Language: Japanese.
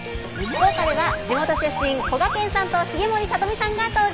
福岡では地元出身、こがけんさんと、重盛さと美さんが登場。